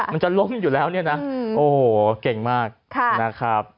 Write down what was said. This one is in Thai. มันจะล้มอยู่แล้วเนี่ยนะโอ้โหเก่งมากนะครับ